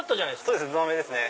そうですね土鍋ですね。